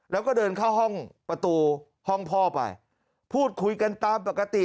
แล้วก็เดินเข้าห้องประตูห้องพ่อไปพูดคุยกันตามปกติ